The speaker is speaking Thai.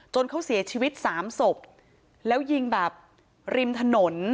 เขาเสียชีวิตสามศพแล้วยิงแบบริมถนน